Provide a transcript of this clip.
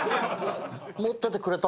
持っててくれたんだ？